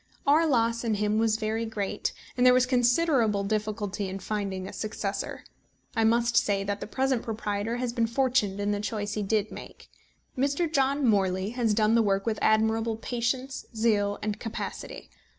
Our loss in him was very great, and there was considerable difficulty in finding a successor. I must say that the present proprietor has been fortunate in the choice he did make. Mr. John Morley has done the work with admirable patience, zeal, and capacity.